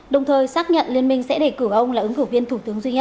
đồng thời xác nhận liên minh sẽ đề cử ông là ứng cử của đảng